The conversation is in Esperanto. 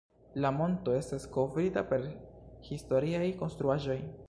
La monto estas kovrita per historiaj konstruaĵoj.